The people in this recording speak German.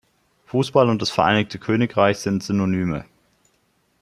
Fußball und das Vereinigte Königreich sind Synonyme.